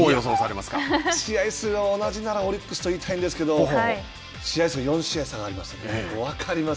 いや、試合数が同じならオリックスと言いたいですけど、試合数が４試合、差がありますよね。